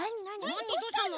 どうしたの？